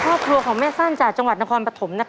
พ่อขอกรของแม่ส้นจากจะงวัดนครปะถม